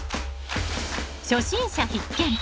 初心者必見！